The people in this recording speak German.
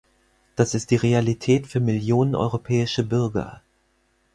Das ist die Realität für Millionen europäische Bürger.